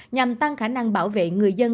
nhằm tăng khả năng bảo vệ người dân